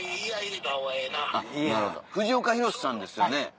藤岡弘、さんですよね？